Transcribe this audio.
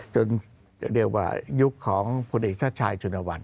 จนจะเรียกว่ายุคของคุณอีชชชายจุณวัล